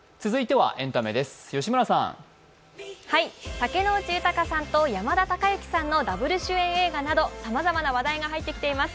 竹野内豊さんと山田孝之さんのダブル主演映画などさまざまな話題が入ってきています。